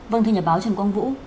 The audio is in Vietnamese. vâng thưa nhà báo trần quang vũ